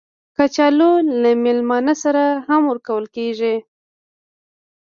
کچالو له میلمانه سره هم ورکول کېږي